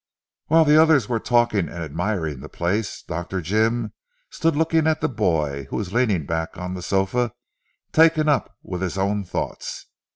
While the others were talking and admiring the place Dr. Jim stood looking at the boy who was leaning back on the sofa taken up with his own thoughts.